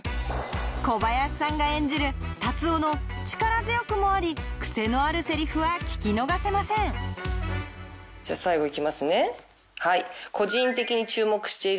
小林さんが演じる達男の力強くもあり癖のあるセリフは聞き逃せませんじゃ最後いきますね。